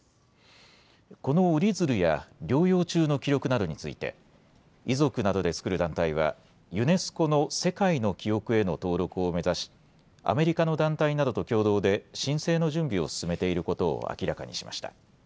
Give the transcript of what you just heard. この折り鶴や療養中の記録などについて、遺族などで作る団体は、ユネスコの世界の記憶への登録を目指し、アメリカの団体などと共同で申請の準備を進めていることを明らかにしました。